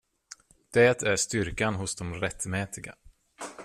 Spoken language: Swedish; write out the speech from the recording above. Det är styrkan hos de rättmätiga.